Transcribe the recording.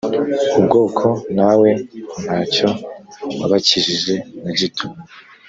ubwoko nawe nta cyo wabakijije na gito